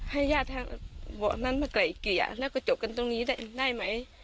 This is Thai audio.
ให้ญาติบอกนั้นมาไกลเกลี่ยแล้วก็จบกันตรงนี้ได้ไหม